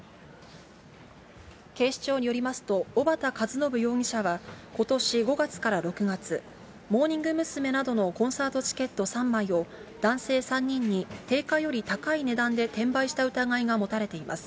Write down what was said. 警視庁によりますと、小幡和伸容疑者は、ことし５月から６月、モーニング娘。などのコンサートチケット３枚を、男性３人に定価より高い値段で転売した疑いが持たれています。